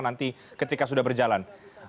nanti ketika sudah berjalan